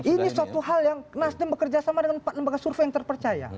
ini suatu hal yang nasdem bekerja sama dengan empat lembaga survei yang terpercaya